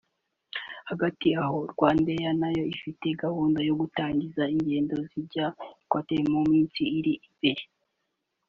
Hagati aho Rwanda Air nayo ifite gahunda yo gutangiza ingendo zijya i Qatar mu minsi iri imbere